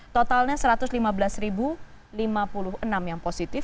totalnya satu ratus lima belas lima puluh enam yang positif